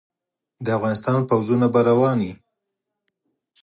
د افغانستان پوځونه به روان وي.